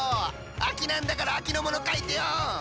秋なんだから秋のものかいてよ！